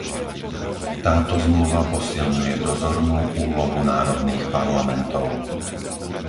Táto Zmluva posilňuje dozornú úlohu národných parlamentov.